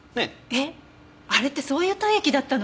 えっ？あれってそういう体液だったの？